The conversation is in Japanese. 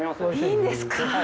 いいんですか？